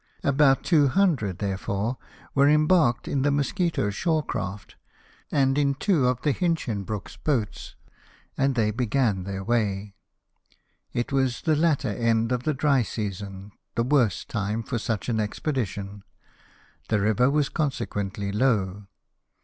About two hundred, therefore, were embarked in the Mosquito shore craft, and in two of the HinchinhrooJcs boats, and they began their C 2 20 LIFE OF NELSON. way. It was tlie latter end of the dry season, the worst time for such an expedition; the river was consequently low.